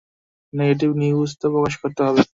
Negative নিউজও তো প্রকাশ করতে হবে।